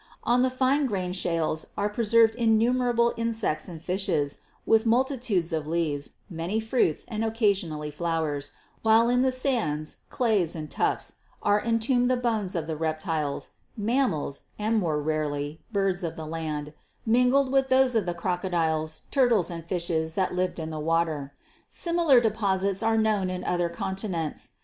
On the fine grained shales are preserved innumerable insects and fishes, with multitudes of leaves, many fruits and occa HISTORICAL GEOLOGY 199 sionally flowers, while in the sands, clays and tuffs are entombed the bones of the reptiles, mammals and, more rarely, birds of the land, mingled with those of the croco diles, turtles and fishes that lived in the water. Similar deposits are known in other continents.